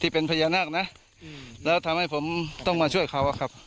เป็นพญานาคนะแล้วทำให้ผมต้องมาช่วยเขาอะครับ